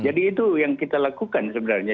jadi itu yang kita lakukan sebenarnya